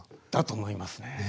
だと思いますね。